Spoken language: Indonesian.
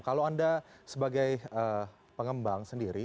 kalau anda sebagai pengembang sendiri